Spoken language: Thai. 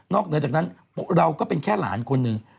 เหนือจากนั้นเราก็เป็นแค่หลานคนหนึ่ง